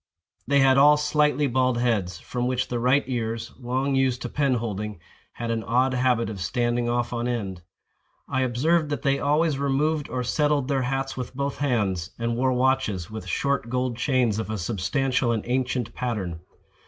They had all slightly bald heads, from which the right ears, long used to pen holding, had an odd habit of standing off on end. I observed that they always removed or settled their hats with both hands, and wore watches, with short gold chains of a substantial and ancient pattern.